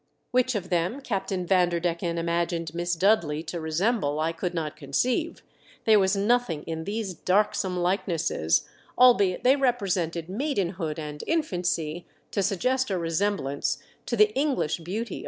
Which of them Cap tain Vanderdecken imagined Miss Dudley to resemble I could not conceive; there was nothing in these darksome likenesses, albeit they represented maidenhood and infancy, to suggest a resemblance to the English beauty 1/6 THE DEATH SHIP.